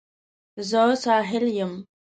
زه ساحل یم